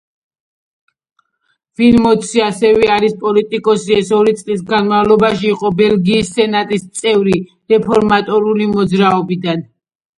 ვილმოტსი ასევე არის პოლიტიკოსი, ის ორი წლის განმავლობაში იყო ბელგიის სენატის წევრი რეფორმატორული მოძრაობიდან.